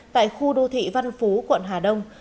tại khu đô thị văn phú quận hà đông